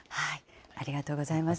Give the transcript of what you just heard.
ありがとうございます。